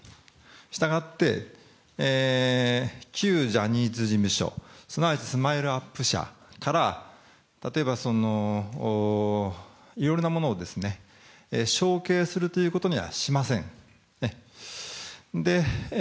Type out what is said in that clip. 従って、旧ジャニーズ事務所、すなわちスマイルアップ社から、例えばいろいろなものを承継するということにはしません。